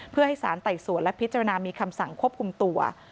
เพื่อให้สารไต่สวนและพิจารณามีคำสั่งควบคุมตัว